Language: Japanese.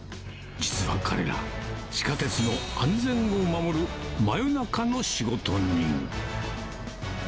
実は彼ら、地下鉄の安全を守る真夜中の仕事人。